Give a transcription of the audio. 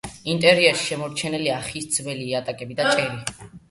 ინტერიერში შემორჩენილია ხის ძველი იატაკები და ჭერი.